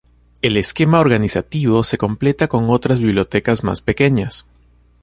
El esquema organizativo se completa con otras bibliotecas más pequeñas.